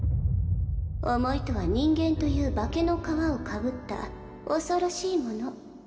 思いとは人間という化けの皮をかぶった恐ろしいもの。